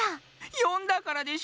よんだからでしょ！